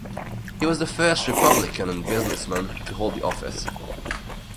He was the first Republican and businessman to hold the office.